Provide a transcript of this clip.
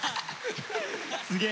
すげえ。